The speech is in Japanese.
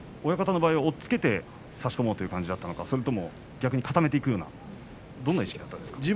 親方の場合は押っつけて差し込もうという感じだったのか、それとも逆に固めていくようなどんな意識だったんですか。